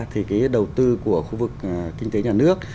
thì cái đầu tư của khu vực kinh tế nhà nước